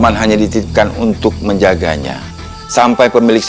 tangan penyala bagus